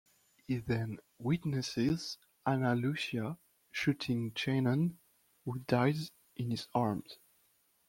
He then witnesses Ana Lucia shooting Shannon, who dies in his arms.